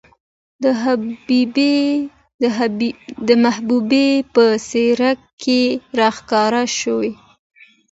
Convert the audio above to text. د محبوبې په څېره کې راښکاره شوې،